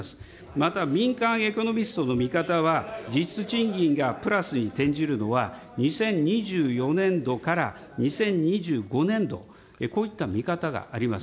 また民間エコノミストの見方は、実質賃金がプラスに転じるのは、２０２４年度から２０２５年度、こういった見方があります。